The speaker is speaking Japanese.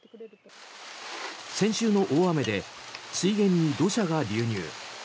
先週の大雨で水源に土砂が流入。